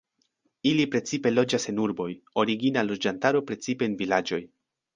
Ili precipe loĝas en urboj, origina loĝantaro precipe en vilaĝoj.